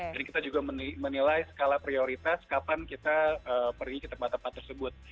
jadi kita juga menilai skala prioritas kapan kita pergi ke tempat tempat tersebut